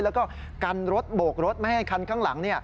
แล้วก็กันรถโบกรถไม่ให้คันข้างหลัง